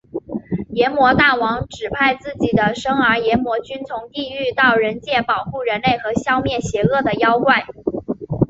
阎魔大王指派自己的甥儿炎魔君从地狱到人界保护人类和消灭邪恶的妖怪。